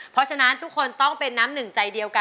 เพราะฉะนั้นทุกคนต้องเป็นน้ำหนึ่งใจเดียวกัน